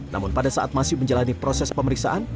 namun pada saat masih menjalani proses pemeriksaan